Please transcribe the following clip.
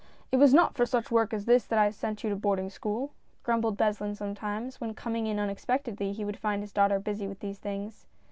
" It was not for such work as this that I sent you to boarding school," grumbled Beslin sometimes, when coming in unexpectedly he would find his daughter busy with these things.